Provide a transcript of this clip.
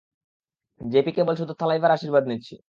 JP, কেবল শুধু থালাইভার আশির্বাদ নিচ্ছি।